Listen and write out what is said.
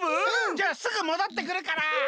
じゃあすぐもどってくるから！